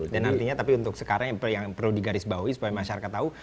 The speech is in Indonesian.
dan artinya tapi untuk sekarang yang perlu digarisbawahi supaya masyarakat tahu